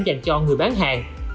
dành cho người bán hàng